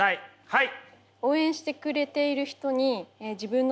はい。